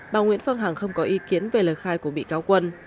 bà nguyễn phương hằng không có ý kiến về lời khai của bị cáo quân